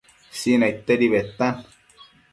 Sinaidtedi bedtan